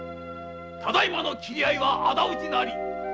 ただいまの斬り合いは仇討ちなり。